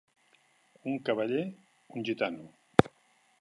Un cavaller Un gitano